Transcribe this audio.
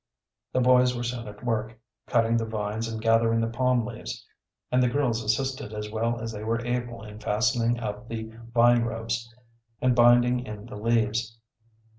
The boys were soon at work, cutting the vines and gathering the palm leaves, and the girls assisted as well as they were able in fastening up the vine ropes and binding in the leaves.